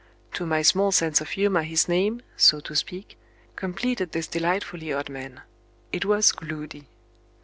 To my small sense of humor his name, so to speak, completed this delightfully odd man: it was Gloody.